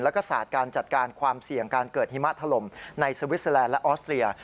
แล้วก็ศาสตร์การจัดการความเสี่ยงการเกิดหิมะถล่มในสวิสเตอร์แลนด์และออสเตรีย